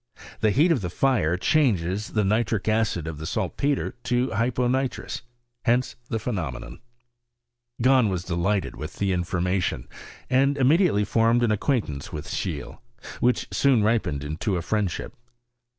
' The heat of the fire changes the nitric acid of the saltpetre to hyponitrous: hence the phenomenon Gahn was delighted with the information, and immediately fonned an acquaintance with Scheel^ which soon ripened into friendship.